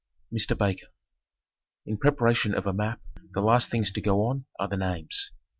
Mr. Baker: In the preparation of a map, the last things to go on are the names.